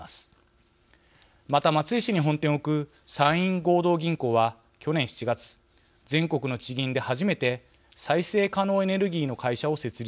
また松江市に本店を置く山陰合同銀行は去年７月全国の地銀で初めて再生可能エネルギーの会社を設立しました。